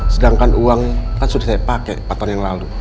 sedangkan uang kan sudah saya pakai empat tahun yang lalu